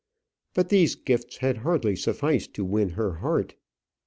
But these gifts had hardly sufficed to win her heart.